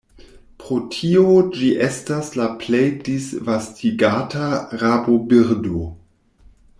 Pro tio ĝi estas la plej disvastigata rabobirdo.